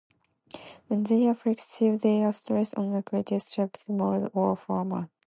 When they are flexible they are stressed on a crescent shaped mold or former.